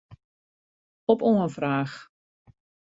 Op oanfraach.